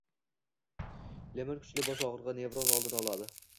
Limon kuchli bosh og‘rig‘i, nevroz oldini oladi.